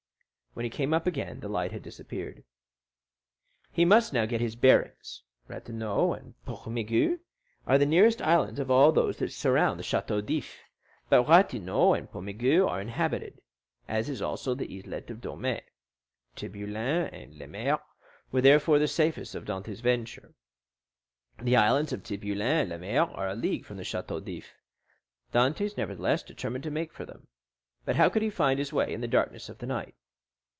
When he came up again the light had disappeared. He must now get his bearings. Ratonneau and Pomègue are the nearest islands of all those that surround the Château d'If, but Ratonneau and Pomègue are inhabited, as is also the islet of Daume. Tiboulen and Lemaire were therefore the safest for Dantès' venture. The islands of Tiboulen and Lemaire are a league from the Château d'If; Dantès, nevertheless, determined to make for them. But how could he find his way in the darkness of the night?